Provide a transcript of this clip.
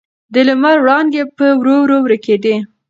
د لمر وړانګې په ورو ورو ورکېدې.